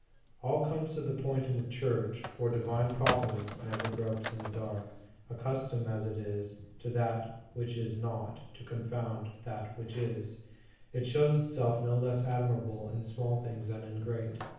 All comes to the point in the Church, for Divine Providence never gropes in the dark. Accustomed as it is, to use that which is not, to confound that which is, it shows itself no less admirable in small things than in great.